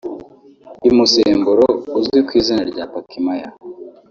imusemburo uzwi ku izina rya Pakmaya